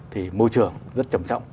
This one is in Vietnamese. thì môi trường rất trầm trọng